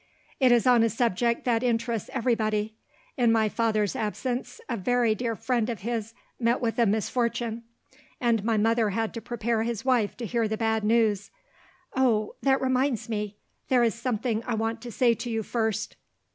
It is on a subject that interests everybody. In my father's absence, a very dear friend of his met with a misfortune; and my mother had to prepare his wife to hear the bad news oh, that reminds me! There is something I want to say to you first."